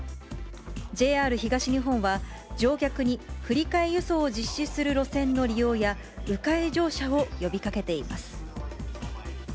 ＪＲ東日本は、乗客に振り替え輸送を実施する路線の利用や、う回乗車を呼びかけています。